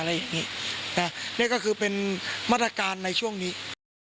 และนี้ก็คือมาตรการในช่วงนี้